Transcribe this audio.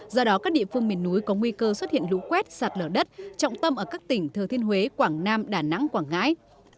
do đó các địa phương miền núi có nguy cơ xuất hiện lũ quét sạt lở đất trọng tâm ở các tỉnh thừa thiên huế quảng nam đà nẵng quảng ngãi